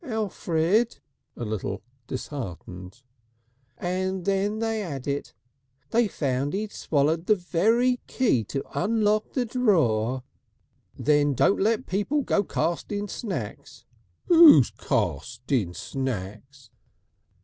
"Elfrid!" a little disheartened. "And then they 'ad it! They found he'd swallowed the very key to unlock the drawer " "Then don't let people go casting snacks!" "Who's casting snacks!"